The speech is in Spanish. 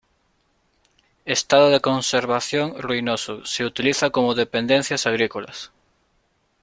Estado de conservación ruinoso, se utiliza como dependencias agrícolas.